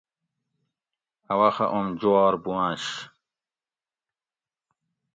اٞ وخہ اوم جوار بوانش